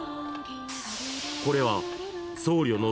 ［これは］